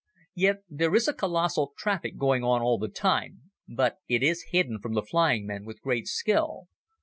Yet there is a colossal traffic going on all the time, but it is hidden from the flying men with great skill.